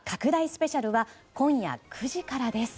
スペシャルは今夜９時からです！